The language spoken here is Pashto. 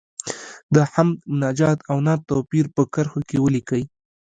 د حمد، مناجات او نعت توپیر په کرښو کې ولیکئ.